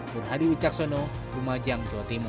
burhadi wicaksono rumah jang jawa timur